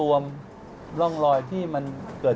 ขอบคุณพี่ด้วยนะครับ